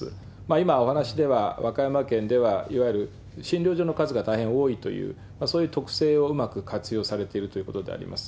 今、お話では、和歌山県ではいわゆる診療所の数が大変多いという、そういう特性をうまく活用されているということであります。